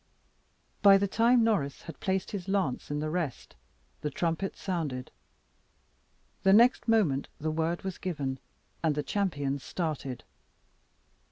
By the time Norris had placed his lance in the rest, the trumpet sounded. The next moment the word was given, and the champions started.